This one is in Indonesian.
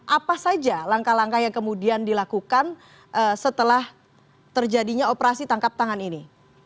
apa saja langkah langkah yang kemudian dilakukan setelah terjadinya operasi tangkap tangan ini